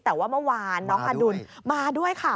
แต่ว่าเมื่อวานน้องอดุลมาด้วยค่ะ